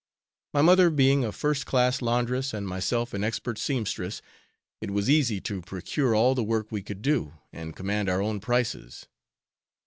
My mother being a first class laundress, and myself an expert seamstress, it was easy to procure all the work we could do, and command our own prices.